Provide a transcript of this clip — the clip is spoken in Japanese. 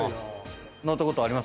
乗ったことあります？